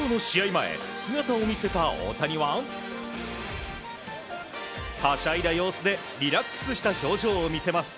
前、姿を見せた大谷ははしゃいだ様子でリラックスした表情を見せます。